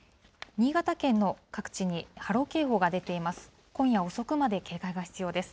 新潟県の各地に波浪警報が出ています。